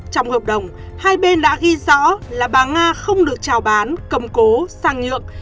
trong hợp đồng hai bên đã ghi rõ là bà nga không được trào bán cầm cố sang nhượng